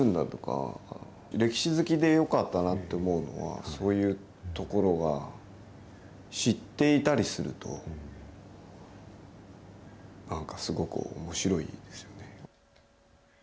歴史好きでよかったなと思ったのは、そういうところが、知っていたりすると、なんかすごく、おもしろいですよね。